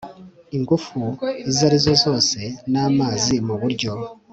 ingufu izo arizo zose n amazi mu buryo